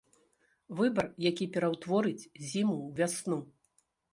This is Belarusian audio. Выбар, які пераўтворыць зіму ў вясну.